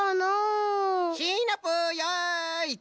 シナプーやいっと。